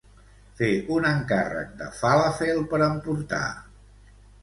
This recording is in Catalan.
Fer un encàrrec de falàfel per emportar.